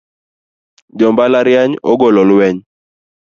Jo mbalariany ogolo lweny